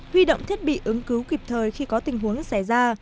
huy động thiết bị ứng cứu kịp thời khi có tình huống xảy ra